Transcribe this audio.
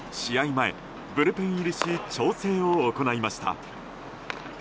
前、ブルペン入りし調整を行いました。